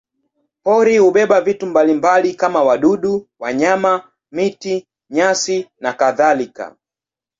Pori hubeba vitu mbalimbali kama wadudu, wanyama, miti, nyasi nakadhalika.